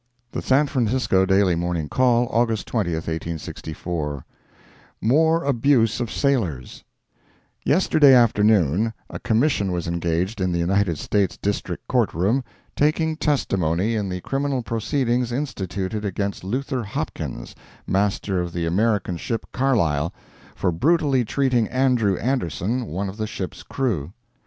The San Francisco Daily Morning Call, August 20, 1864 MORE ABUSE OF SAILORS Yesterday afternoon a Commission was engaged in the United States District Court room, taking testimony in the criminal proceedings instituted against Luther Hopkins, Master of the American ship Carlisle, for brutally treating Andrew Anderson, one of the ship's crew.